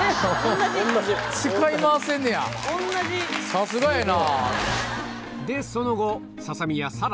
さすがやな。